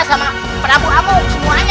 sama prabu amuk semuanya